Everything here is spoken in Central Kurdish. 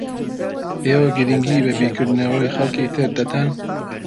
ئێوە گرنگی بە بیرکردنەوەی خەڵکی تر دەدەن؟